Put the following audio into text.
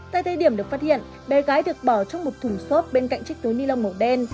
tại thời điểm được phát hiện bé gái được bỏ trong một thùng xốp bên cạnh chiếc túi ni lông màu đen